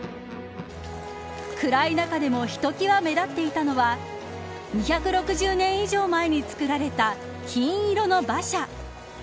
暗い中でもひときわ目立っていたのは２６０年以上前に作られた金色の馬車。